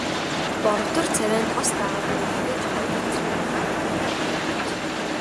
Боровтор царай нь тос даан гэрэлтэж, хоёр хацар нь улаа бутран туяарах аж.